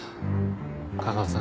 架川さん